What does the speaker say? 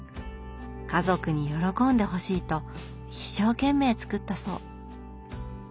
家族に喜んでほしいと一生懸命作ったそう。